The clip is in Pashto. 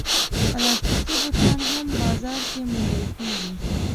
پلاستيکي بوټان هم بازار کې موندل کېږي.